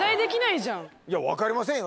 いや分かりませんよ